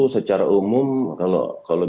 secara umum kalau